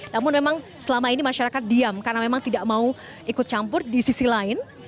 namun memang selama ini masyarakat diam karena memang tidak mau ikut campur di sisi lain